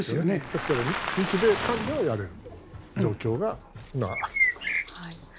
ですから、日米韓でやれる状況が今はあるということだと思います。